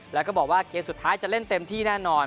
แล้วก็บอกว่าเกมสุดท้ายจะเล่นเต็มที่แน่นอน